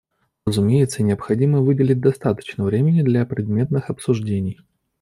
Разумеется, необходимо выделить достаточно времени для предметных обсуждений.